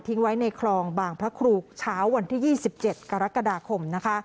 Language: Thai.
ไว้ในคลองบางพระครูเช้าวันที่๒๗กรกฎาคมนะคะ